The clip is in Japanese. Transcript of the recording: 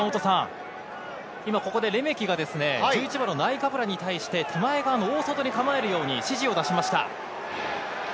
ここでレメキがナイカブラに対して、手前側の大外に構えるように指示を出しました。